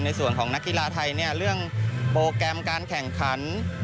ในส่วนของนักกีฬาไทยเนี่ยเรื่องโปรแกรมการแข่งขัน